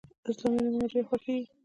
اسلامي نومونه ډیر خوښیږي.